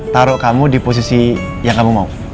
taruh kamu di posisi yang kamu mau